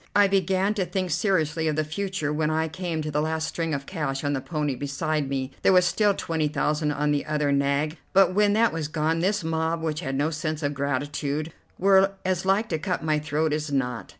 I began to think seriously of the future when I came to the last string of cash on the pony beside me. There was still twenty thousand on the other nag; but, when that was gone, this mob, which had no sense of gratitude, were as like to cut my throat as not.